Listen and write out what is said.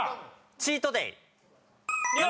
チートデー。